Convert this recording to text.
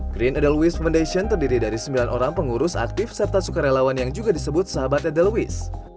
green edelweiss foundation terdiri dari sembilan orang pengurus aktif serta sukarelawan yang juga disebut sahabat edelweiss